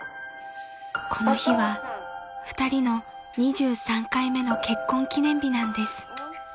［この日は２人の２３回目の結婚記念日なんです］